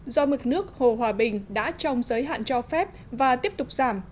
do mực nước hồ hòa bình đã trong giới hạn cho phép và tiếp tục giảm